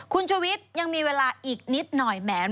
คุณชุวิตยังมีเวลาอีกนิดหน่อยแหม